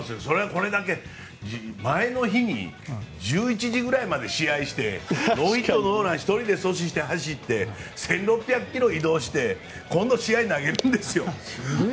これだけ前の日に１１時ぐらいまで試合してノーヒット・ノーランを１人で阻止して走って移動して１６００ｋｍ移動して今度、試合で投げるんですよ。